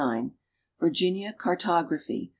Virginia Cartographj'.